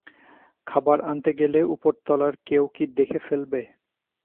খাবার আনতে গেলে উপরতলার কেউ কি দেখে ফেলবে?